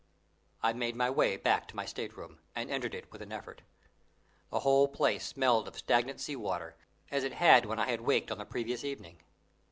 I made my way back to my state room, and entered it with an effort. The whole place smelled of stagnant sea water, as it had when I had waked on the previous evening.